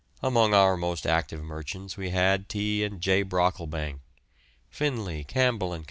Among our most active merchants we had T. and J. Brocklebank; Finlay, Campbell and Co.